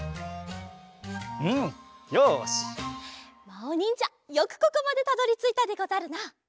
まおにんじゃよくここまでたどりついたでござるな。